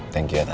thank you lata